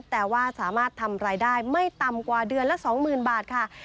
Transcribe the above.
แต่ว่าสามารถทำรายได้ไม่ต่ำกว่าเดือนละ๒๐๐๐บาทค่ะ